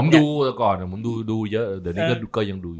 ผมดูแต่ก่อนผมดูเยอะเดี๋ยวนี้ก็ยังดูอยู่